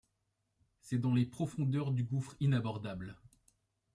C’est, dans les profondeurs du gouffre inabordable